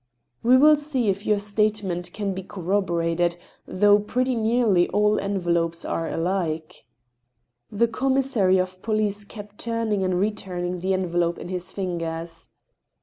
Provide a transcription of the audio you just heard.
" We will see if your statement can be corroborated, ... though pretty nearly all envelopes are alike." THE HAMMER. 103 ^ The commissary of police kept turning and returning the envelope in his fingers.